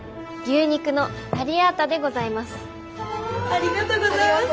ありがとうございます。